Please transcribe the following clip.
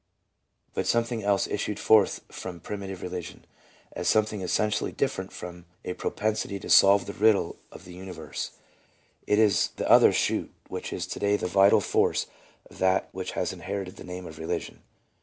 But something else issued forth from primitive Religion — a something essen tially different from a propensity to solve the riddle of the universe. It is this other shoot which is to day the vital force of that which has inherited the name of religion.